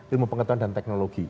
ilmu pengetahuan dan teknologi